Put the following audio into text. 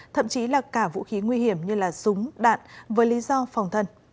thậm chí là cả vũ khí nguy hiểm như là súng đạn với lý do phòng thân